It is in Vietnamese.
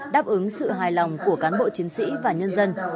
đáp ứng sự hài lòng của cán bộ chiến sĩ và nhân dân